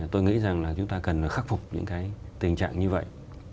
tôi nghĩ rằng là chúng ta cần phải khắc phục những cái tình trạng như vậy